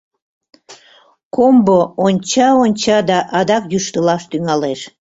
Комбо онча-онча да адак йӱштылаш тӱҥалеш.